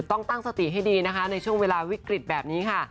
ต้องตั้งสติให้ดีนะคะในช่วงเวลาวิกฤตแบบนี้ค่ะ